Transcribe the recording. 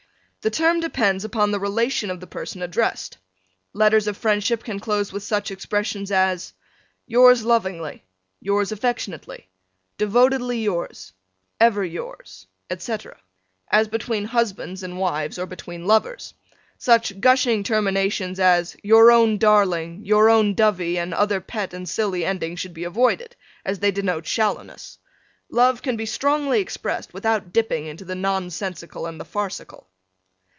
The term depends upon the relation of the person addressed. Letters of friendship can close with such expressions as: Yours lovingly, Yours affectionately, Devotedly yours, Ever yours, etc. as between husbands and wives or between lovers. Such gushing terminations as Your Own Darling, Your own Dovey and other pet and silly endings should be avoided, as they denote shallowness. Love can be strongly expressed without dipping into the nonsensical and the farcical.